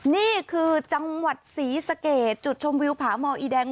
นี่คือจังหวัดศรีสะเกดจุดชมวิวผาหมออีแดง